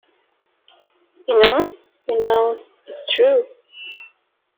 You know, you know, it's true!